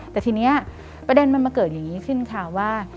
แต่ทีนี้ประเด็นมันมาเกิดอย่างนี้ขึ้นค่ะว่า